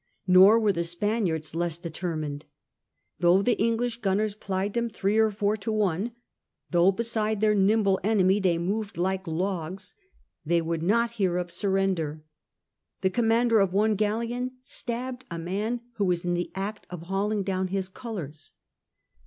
Nor were the Spaniards less determined. Though the English gunners plied them three and four to one, though beside their nimble enemy they moved like logs, they would not hear of surrender. The commander of one galleon stabbed a man who was in the act of hauling down his colours.